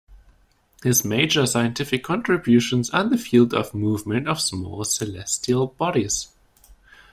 His major scientific contributions are in the field of movement of small celestial bodies.